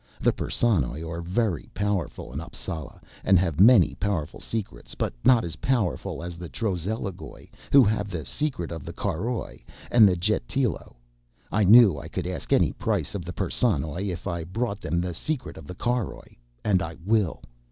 The Perssonoj are very powerful in Appsala and have many powerful secrets, but not as powerful as the Trozelligoj who have the secret of the caroj and the jetilo. I knew I could ask any price of the Perssonoj if I brought them the secret of the caroj. And I will."